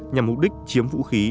nhằm mục đích chiếm vũ khí